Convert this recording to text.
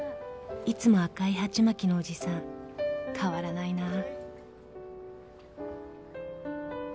［いつも赤い鉢巻きのおじさん変わらないなぁ］